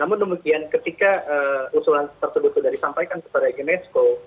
namun demikian ketika usulan tersebut sudah disampaikan kepada unesco